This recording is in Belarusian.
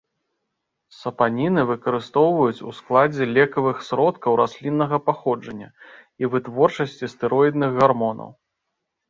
Сапаніны выкарыстоўваюць ў складзе лекавых сродкаў расліннага паходжання і вытворчасці стэроідных гармонаў.